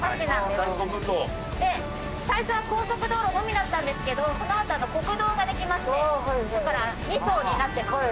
で最初は高速道路のみだったんですけどそのあと国道ができましてだから２層になってます。